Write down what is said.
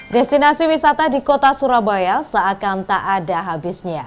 destinasi wisata di kota surabaya seakan tak ada habisnya